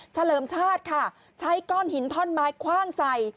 เลิมชาติค่ะใช้ก้อนหินท่อนไม้คว่างใส่